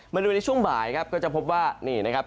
มาดูในช่วงบ่ายครับก็จะพบว่านี่นะครับ